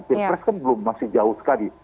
pilpres kan belum masih jauh sekali